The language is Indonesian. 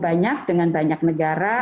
banyak dengan banyak negara